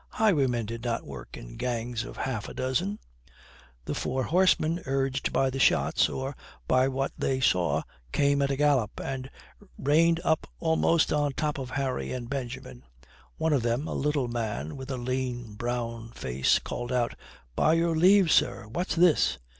Highwaymen did not work in gangs of half a dozen. The four horsemen, urged by the shots or by what they saw, came at a gallop and reined up almost on top of Harry and Benjamin. One of them, a little man with a lean, brown face, called out, "By your leave, sir! What's this?"